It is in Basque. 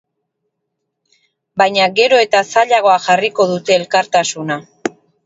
Baina gero eta zailago jarriko dute elkartasuna.